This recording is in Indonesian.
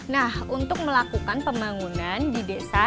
nah untuk melakukan pembangunan di desa